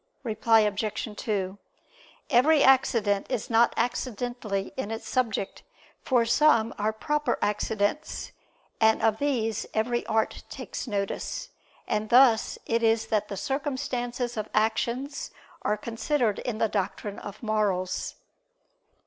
Reply Obj. 2: Every accident is not accidentally in its subject; for some are proper accidents; and of these every art takes notice. And thus it is that the circumstances of actions are considered in the doctrine of morals.